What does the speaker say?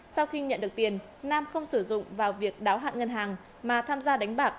sau khi nhận được tiền nam không sử dụng vào việc đáo hạn ngân hàng mà tham gia đánh bạc